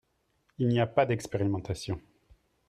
Il n’y a pas d’expérimentation